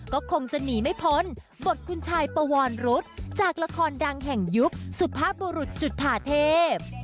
ก็คงจะหนีไม่พ้นบทคุณชายปวรรุษจากละครดังแห่งยุคสุภาพบุรุษจุธาเทพ